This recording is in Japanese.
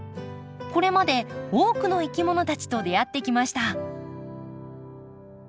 これまで多くのいきものたちと出会ってきました。